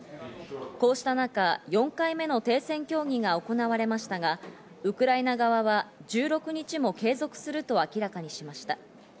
こうした中、４回目の停戦協議が行われましたが、ウクライナ側は１６日も継続すると明らかにしました。